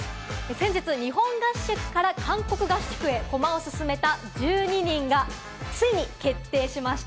先日、日本合宿から韓国合宿へ駒を進めた１２人がついに決定しました。